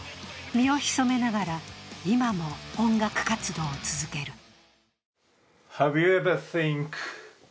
身を潜めながら、今も音楽活動を続ける。